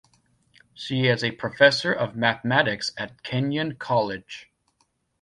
She is a professor of mathematics at Kenyon College.